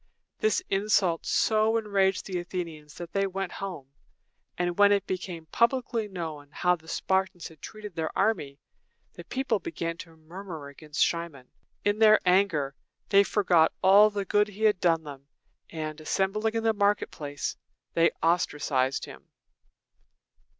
This insult so enraged the Athenians that they went home; and when it became publicly known how the Spartans had treated their army, the people began to murmur against Cimon. In their anger, they forgot all the good he had done them, and, assembling in the market place, they ostracized him.